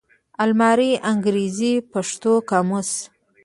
الماني _انګرېزي_ پښتو قاموس